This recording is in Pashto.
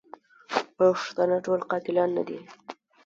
پښتانه ټول قاتلان نه دي.